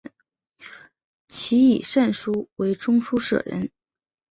其以善书为中书舍人。